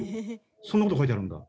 そんな事書いてあるんだ。